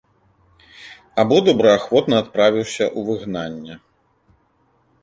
Або добраахвотна адправіўся ў выгнанне.